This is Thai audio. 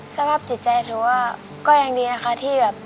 สภาพจิตใจถือว่าก็ยังดีนะคะที่แบบ